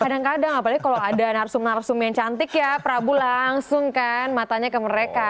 kadang kadang apalagi kalau ada narsum narsum yang cantik ya prabu langsung kan matanya ke mereka